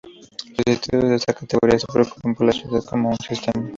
Los estudios en esta categoría se preocupan por la ciudad como un sistema.